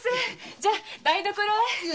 じゃ台所へ。